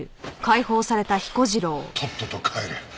とっとと帰れ。